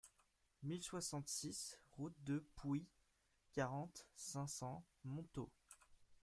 mille soixante-six route de Pouy, quarante, cinq cents, Montaut